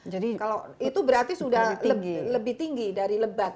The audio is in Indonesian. jadi itu berarti sudah lebih tinggi dari lebat